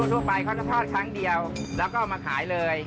ทั่วไปเขาจะทอดครั้งเดียวแล้วก็เอามาขายเลย